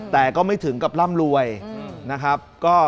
แต่ก็ไม่ถึงกับร่ำรวยนะครับ